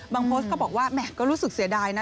โพสต์ก็บอกว่าแหมก็รู้สึกเสียดายนะ